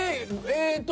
えっと